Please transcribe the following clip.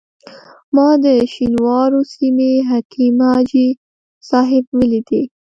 ما د شینوارو سیمې حکیم حاجي صاحب ولیدی.